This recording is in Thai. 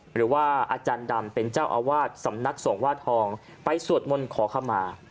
หรือว่าอาจารย์ดำเป็นเจ้าอาวาสสำนักสงฆ์ว่าทองไปสวดมนต์ขอขมา